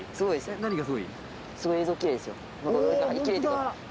え何がすごい？